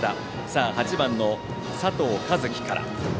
さあ、８番の佐藤和樹から。